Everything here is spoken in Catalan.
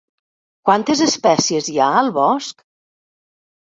Quantes espècies hi ha al bosc?